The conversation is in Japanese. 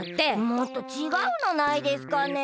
もっとちがうのないですかね？